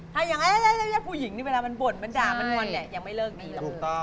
ถ้าอย่างผู้หญิงนี่เวลามันบ่นมันด่ามันงอนเนี่ยยังไม่เลิกดีหรอก